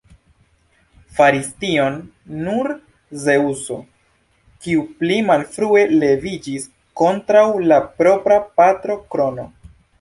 Faris tion nur Zeŭso, kiu pli malfrue leviĝis kontraŭ la propra patro Krono.